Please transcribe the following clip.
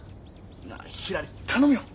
なあひらり頼むよ！